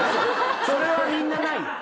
それはみんなないよ。